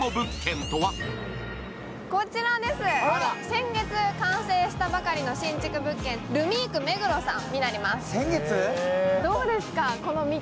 先月完成したばかりの新築物件、ルミーク目黒さんです。